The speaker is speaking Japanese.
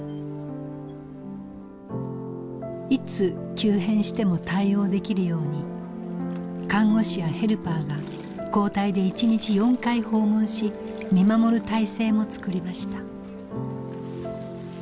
いつ急変しても対応できるように看護師やヘルパーが交代で１日４回訪問し見守る体制も作りました。